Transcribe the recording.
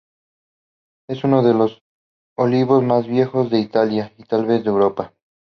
Es uno de los olivos más viejos de Italia, y tal vez de Europa.